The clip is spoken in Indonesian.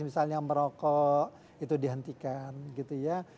misalnya merokok itu dihentikan gitu ya